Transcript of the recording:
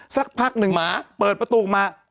สักพักหนึ่งหมาเปิดประตูออกมา